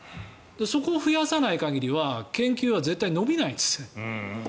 そこを増やさない限りは研究は絶対に伸びないんです。